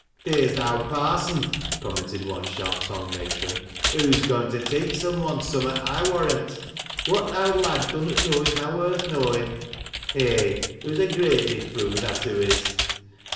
"Theer's th' owd parson," commented one sharp tf Jigued matron. " Hoo's goiu' to teach some one summat I warrant. What th' owd lad dunnot know is na worth kuowin'. Eh ! hoo's a graidely foo', that hoo is.